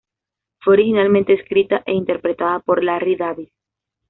Fue originalmente escrita e interpretada por Larry Davis.